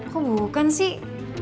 kok bukan sih